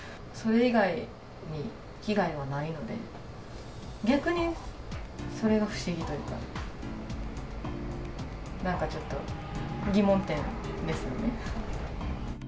それ以外に、被害はないので、逆にそれが不思議というか、なんかちょっと疑問点ですよね。